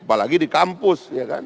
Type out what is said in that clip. apalagi di kampus ya kan